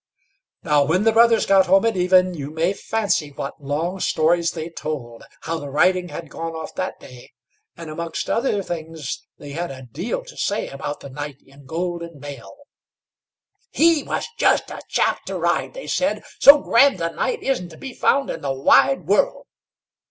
Now, when the brothers got home at even, you may fancy what long stories they told, how the riding had gone off that day; and amongst other things, they had a deal to say about the knight in golden mail. "He just was a chap to ride!" they said; "so grand a knight isn't to be found in the wide world."